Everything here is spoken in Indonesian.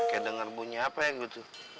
kayak denger bunyi apa ya gue tuh